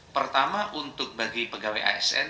pertama untuk bagi pegawai asn